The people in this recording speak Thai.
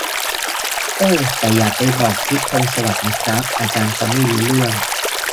เอ้อ แต่อย่าไปบอก พิชญ์ พงษ์สวัสดิ์ นะครับ อาจารย์เขาไม่รู้เรื่อง